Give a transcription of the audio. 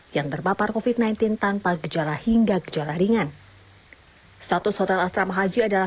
yang terpapar covid sembilan belas tanpa gejala hingga gejala ringan status hotel asrama haji adalah